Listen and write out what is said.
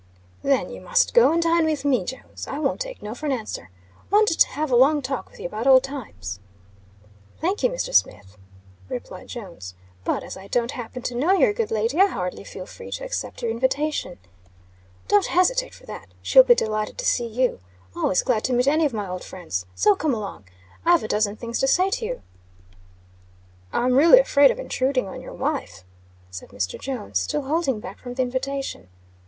"Then you must go and dine with me, Jones. I won't take no for an answer. Want to have a long talk with you about old times." "Thank you, Mr. Smith," replied Jones. "But, as I don't happen to know your good lady, I hardly feel free to accept your invitation." "Don't hesitate for that. She'll be delighted to see you. Always glad to meet any of my old friends. So come along. I've a dozen things to say to you." "I'm really afraid of intruding on your wife," said Mr. Jones, still holding back from the invitation.